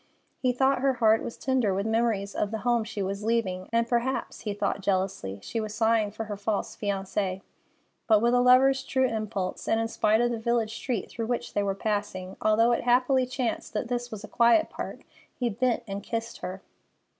He thought her heart was tender with memories of the home she was leaving, and perhaps, he thought jealously, she was sighing for her false fiancé; but with a lover's true impulse, and in spite of the village street through which they were passing—although it happily chanced that this was a quiet part—he bent and kissed her.